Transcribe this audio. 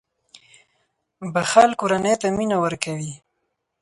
• بښل کورنۍ ته مینه ورکوي.